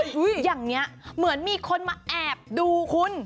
อย่างนี้เหมือนมีคนมาแอบดูคุณ